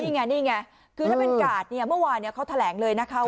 นี้ไงนี้ไงถ้าเป็นกาดเมื่อวานเขาแถลงเลยนะครับ